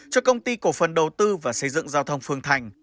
cho công ty cổ phần đầu tư và xây dựng giao thông phương thành